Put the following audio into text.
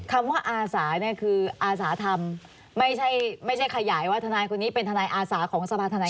คำว่าอาสาเนี่ยคืออาสาธรรมไม่ใช่ไม่ใช่ขยายว่าทนายคนนี้เป็นทนายอาสาของสภาธนาย